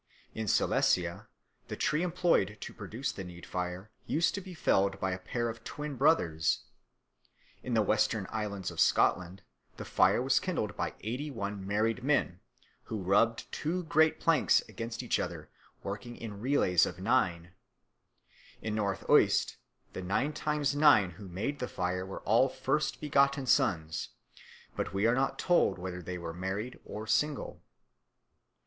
In Silesia the tree employed to produce the need fire used to be felled by a pair of twin brothers. In the western islands of Scotland the fire was kindled by eighty one married men, who rubbed two great planks against each other, working in relays of nine; in North Uist the nine times nine who made the fire were all first begotten sons, but we are not told whether they were married or single.